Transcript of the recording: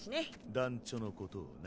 団ちょのことをな。